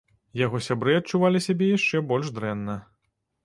Яго сябры адчувалі сябе яшчэ больш дрэнна.